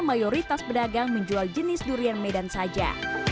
mayoritas pedagang menjual jenis durian medan saja